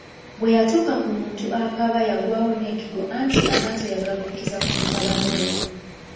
Bwe yatuuka ku muntu akaaba yagwawo nekigwo anti amaaso yagaggukkiza ku mutabani we.